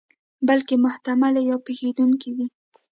بلکې محتملې یا پېښېدونکې وي.